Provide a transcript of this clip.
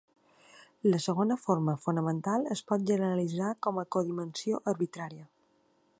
La segona forma fonamental es pot generalitzar com a codimensió arbitrària.